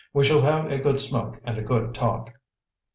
We shall have a good smoke and a good talk."